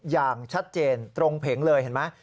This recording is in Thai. อย่างชัดเจนตรงเผงเลยเห็นไหม